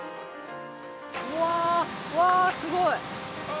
うわうわすごい。